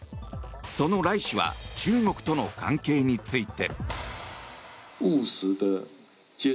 その頼氏は中国との関係について。